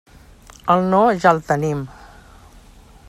El no, ja el tenim.